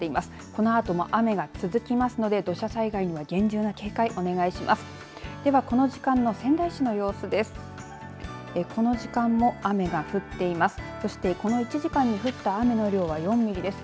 このあとも雨が続きますので土砂災害には厳重な警戒、お願いします。